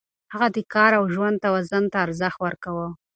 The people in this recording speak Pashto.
هغه د کار او ژوند توازن ته ارزښت ورکاوه.